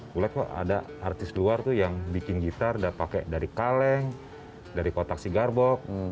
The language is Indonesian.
gue lihat kok ada artis luar tuh yang bikin gitar dan pakai dari kaleng dari kotak si garbok